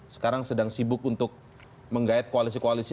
sekarang sedang sibuk untuk menggayat koalisi koalisi